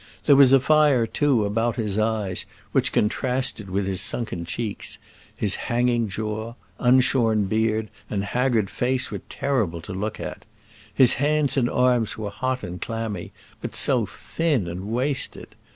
There was a fire too about his eyes which contrasted with his sunken cheeks: his hanging jaw, unshorn beard, and haggard face were terrible to look at. His hands and arms were hot and clammy, but so thin and wasted!